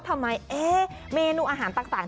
ทำไมเมนูอาหารต่าง